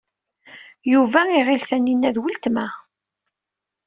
Yuba iɣil Tanina d weltma.